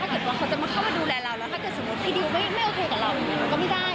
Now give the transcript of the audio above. ถ้าเกิดว่าเขาจะมาเข้ามาดูแลเราแล้วถ้าเกิดสมมุติพี่ดิวไม่โอเคกับเรามันก็ไม่ได้